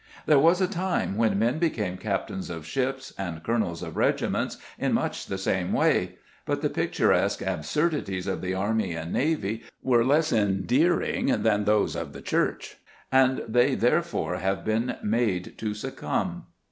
There was a time when men became captains of ships and colonels of regiments in much the same way; but the picturesque absurdities of the army and navy were less endearing than those of the Church, and they therefore have been made to succumb.